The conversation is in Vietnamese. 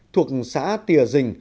thuộc xã tìa dình